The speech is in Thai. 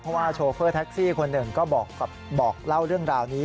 เพราะว่าโชเฟอร์แท็กซี่คนหนึ่งก็บอกเล่าเรื่องราวนี้